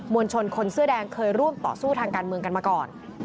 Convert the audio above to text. วลชนคนเสื้อแดงเคยร่วมต่อสู้ทางการเมืองกันมาก่อน